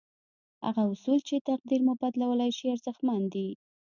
هغه اصول چې تقدير مو بدلولای شي ارزښتمن دي.